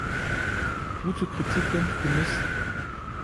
Gute Kritiken für "Ms.